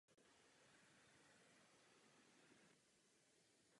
O historii tohoto nápoje je známo jen málo.